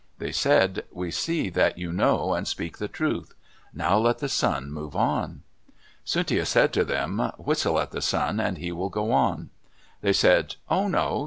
They said, "We see that you know and speak the truth. Now let the sun move on." Tsuntia said to them, "Whistle at the sun, and he will go on." They said, "Oh, no.